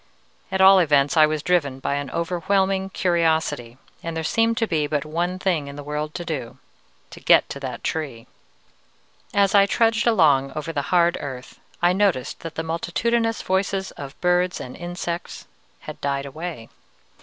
At all events, I was driven by an overwhelming curiosity, and there seemed to be but one thing in the world to do, to get to that Tree! As I trudged along over the hard earth, I noticed that the multitudinous voices of birds and insects had died away.